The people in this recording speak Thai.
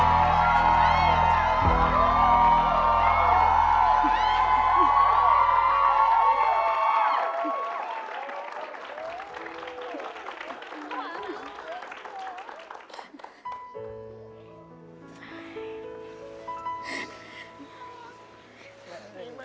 นายที่มีต้องเพิ่ม